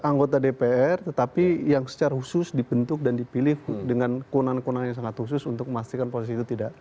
anggota dpr tetapi yang secara khusus dibentuk dan dipilih dengan kunan kunan yang sangat khusus untuk memastikan posisi itu tidak